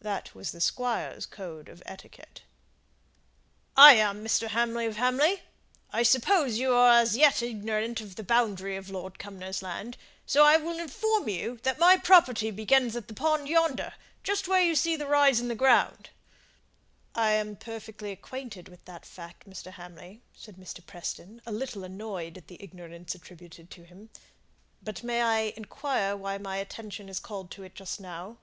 That was the Squire's code of etiquette. "I am Mr. Hamley of Hamley. I suppose you are as yet ignorant of the boundary of Lord Cumnor's land, and so I will inform you that my property begins at the pond yonder just where you see the rise in the ground." "I am perfectly acquainted with that fact, Mr. Hamley," said Mr. Preston, a little annoyed at the ignorance attributed to him. "But may I inquire why my attention is called to it just now?"